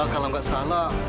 kalau gak salah